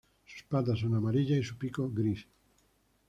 Sus patas son amarillas y su pico gris.